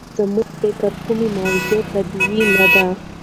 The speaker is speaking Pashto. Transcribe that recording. زه فکر کوم موضوع طبیعي نده.